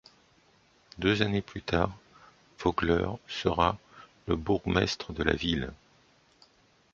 Deux années plus tard, Vogler sera le bourgmestre de la ville.